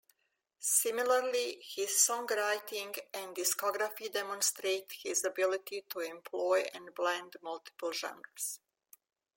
Similarly, his songwriting and discography demonstrate his ability to employ and blend multiple genres.